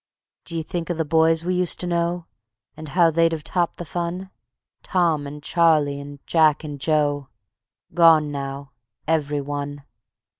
D'ye think o' the boys we used to know, And how they'd have topped the fun? Tom and Charlie, and Jack and Joe Gone now, every one.